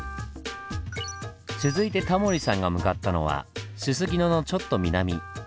続いてタモリさんが向かったのはすすきののちょっと南。